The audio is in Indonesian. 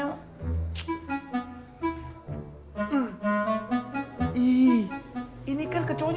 aya aya bercandanya keterlaluan